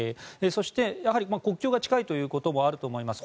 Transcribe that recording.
そして、やはり国境が近いということもあると思います